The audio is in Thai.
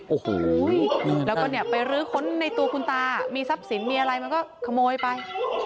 โอ้โหแล้วก็เนี่ยไปรื้อค้นในตัวคุณตามีทรัพย์สินมีอะไรมันก็ขโมยไป